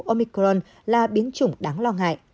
omicron là biến chủng đáng lo ngại